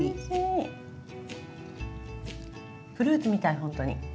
フルーツみたいほんとに。